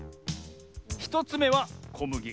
１つめはこむぎ。